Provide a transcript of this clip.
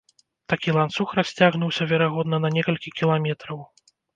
Такі ланцуг расцягнуўся, верагодна, на некалькі кіламетраў.